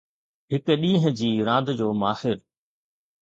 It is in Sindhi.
هڪ ڏينهن جي راند جو ماهر